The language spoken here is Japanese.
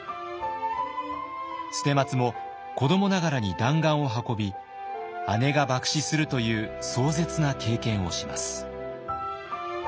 捨松も子どもながらに弾丸を運び姉が爆死するという壮絶な経験をします。